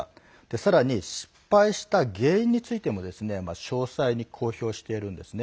さらに、失敗した原因についても詳細に公表しているんですね。